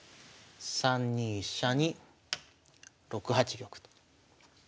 ３二飛車に６八玉と。